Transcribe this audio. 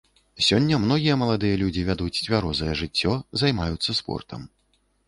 Сёння многія маладыя людзі вядуць цвярозае жыццё, займаюцца спортам.